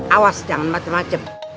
awas jangan macem macem